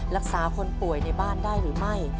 รักษาคนป่วยในบ้านได้หรือไม่